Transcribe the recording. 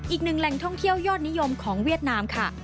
อีกหนึ่งแหล่งท่องเที่ยวยอดนิยมของเวียดนามค่ะ